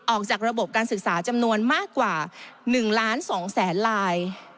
ออกจากระบบการศึกษาจำนวนมากกว่า๑ล้าน๒แสนลาย